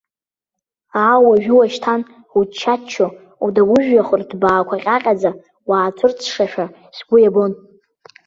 Аа, уажәы-уашьҭан, учча-ччо, удауы жәҩахыр-ҭбаақәа ҟьаҟьаӡа уаацәырҵшашәа сгәы иабон.